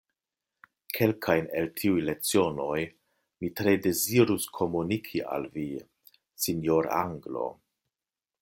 Kelkajn el tiuj lecionoj mi tre dezirus komuniki al vi, sinjor’ anglo.